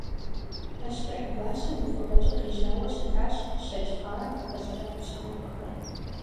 Пащтыхь гуащэм и фӀыгъэкӀэ къежьауэ щытащ щэкӀ хъарым къыхэщӀыкӀа пщампӀэхэр.